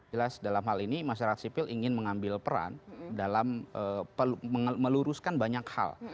jelas dalam hal ini masyarakat sipil ingin mengambil peran dalam meluruskan banyak hal